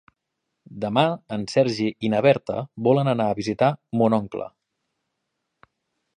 Demà en Sergi i na Berta volen anar a visitar mon oncle.